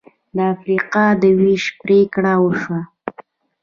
د افریقا د وېش پرېکړه وشوه.